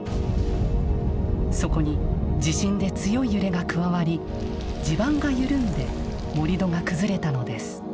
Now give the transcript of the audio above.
そこに地震で強い揺れが加わり地盤が緩んで盛土が崩れたのです。